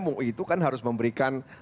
mui itu kan harus memberikan